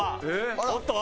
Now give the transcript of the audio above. おっと。